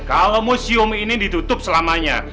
kalau museum ini ditutup selamanya